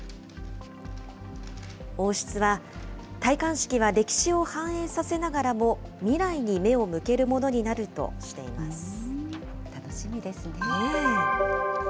王室は、戴冠式は歴史を反映させながらも、未来に目を向けるものになるとし楽しみですね。